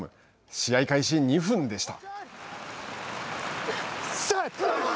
試合開始２分でした。